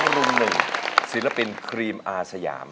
๒รุ่น๑ศิลปินครีมอาสยาม